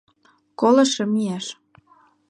— Коло шым ияш.